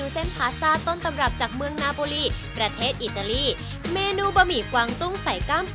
จิตย่าจิตย่าจิตย่าจิตย่า